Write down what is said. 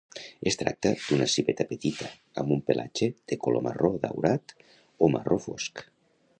Es tracta d'una civeta petita amb un pelatge de color marró daurat o marró fosc.